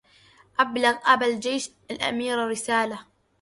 أبلغ أبا الجيش الأمير رسالة